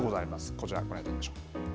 こちら、ご覧いただきましょう。